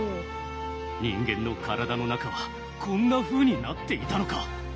人間の体の中はこんなふうになっていたのか！